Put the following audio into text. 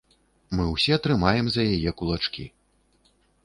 Мы ўсе трымаем за яе кулачкі!